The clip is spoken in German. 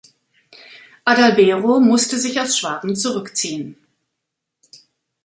Adalbero musste sich aus Schwaben zurückziehen.